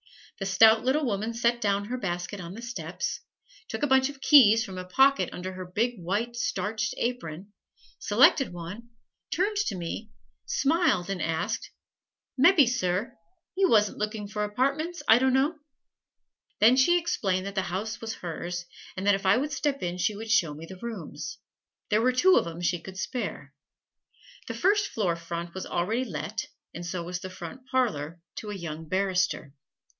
The stout little woman set down her basket on the steps, took a bunch of keys from a pocket under her big, white, starched apron, selected one, turned to me, smiled, and asked, "Mebbe, Sir, you wasn't looking for apartments, I dunno?" Then she explained that the house was hers, and that if I would step in she would show me the rooms. There were two of 'em she could spare. The first floor front was already let, and so was the front parlor to a young barrister.